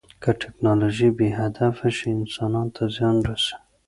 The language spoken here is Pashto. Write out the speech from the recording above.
که ټیکنالوژي بې هدفه شي، انسان ته زیان رسوي.